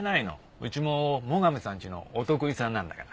うちも最上さんちのお得意さんなんだから。